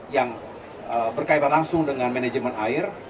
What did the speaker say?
yang berkaitan langsung dengan manajemen air